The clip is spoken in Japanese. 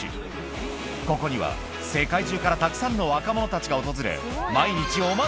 ここには世界中からたくさんの若者たちが訪れ